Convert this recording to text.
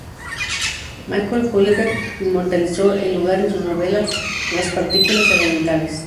Michel Houellebecq inmortalizó el lugar en su novela "Las partículas elementales".